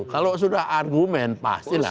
kalau sudah argumen pastilah